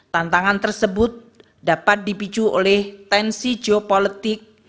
tantangan tersebut dapat dipicu oleh tensi geopolitik